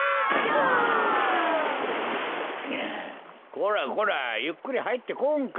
こらこらゆっくりはいってこんか。